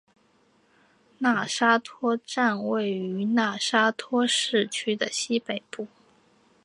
讷沙托站位于讷沙托市区的西北部。